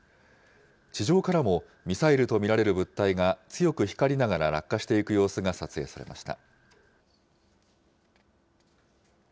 地上からもミサイルと見られる物体が強く光りながら、落下していく様子が撮影されました。